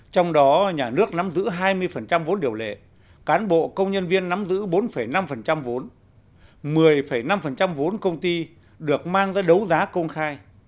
trong đó nhà nước nắm giữ hai mươi vốn điều lệ cán bộ công nhân viên nắm giữ bốn năm vốn một mươi năm vốn công ty được mang ra đấu giá công khai